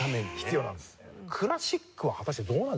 クラシックは果たしてどうなんでしょう？